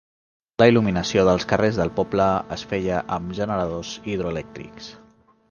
La il·luminació dels carrers del poble es feia amb generadors hidroelèctrics.